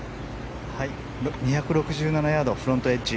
２６７ヤードフロントエッジ。